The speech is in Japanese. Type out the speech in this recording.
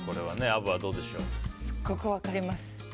すごく分かります。